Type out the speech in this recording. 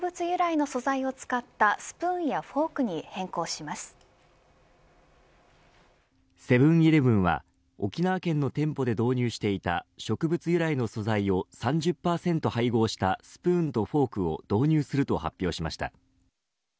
由来の素材を使ったスプーンやフォークにセブン‐イレブンは沖縄県の店舗で導入していた植物由来の素材を３０％配合したスプーンとフォークを導入すると発表しました。